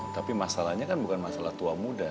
tapi masalahnya kan bukan masalah tua muda